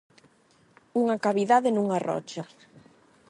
Unha cavidade nunha rocha.